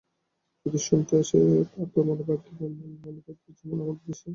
যদি শুনতে আসে তো তোমার ভাগ্যি, যেমন আমাদের দেশে।